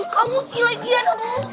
kamu sih lagi ian